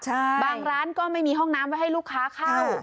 ใช่บางร้านก็ไม่มีห้องน้ำไว้ให้ลูกค้าเข้า